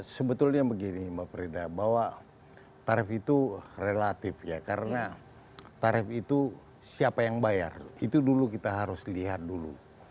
sebetulnya begini mbak frida bahwa tarif itu relatif ya karena tarif itu siapa yang bayar itu dulu kita harus lihat dulu